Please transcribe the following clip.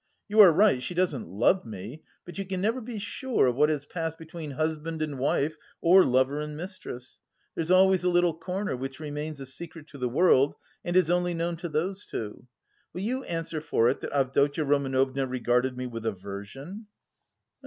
"You are right, she doesn't love me, but you can never be sure of what has passed between husband and wife or lover and mistress. There's always a little corner which remains a secret to the world and is only known to those two. Will you answer for it that Avdotya Romanovna regarded me with aversion?"